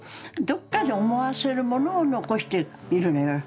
どっかで思わせるものを残しているのよ